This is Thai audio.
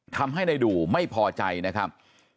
ทำให้ในดูไม่พอใจนะครับ